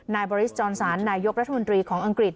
บอริสจอนซานนายกรัฐมนตรีของอังกฤษ